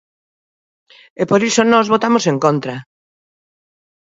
E por iso nós votamos en contra.